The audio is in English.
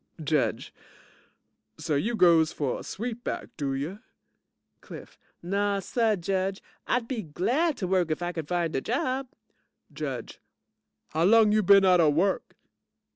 JUDGE So, you goes for a sweet back, do you? CLIFF Naw suh, Judge. I'd be glad to work if I could find a job. JUDGE How long you been outa work?